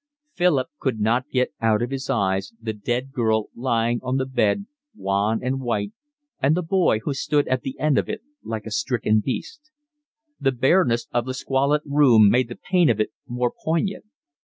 Philip could not get out of his eyes the dead girl lying on the bed, wan and white, and the boy who stood at the end of it like a stricken beast. The bareness of the squalid room made the pain of it more poignant.